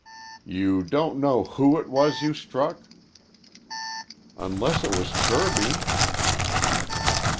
"You don't know who it was you struck?" "Unless it was Kirby."